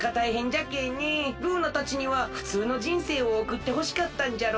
ルーナたちにはふつうのじんせいをおくってほしかったんじゃろう。